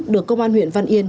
được công an huyện văn yên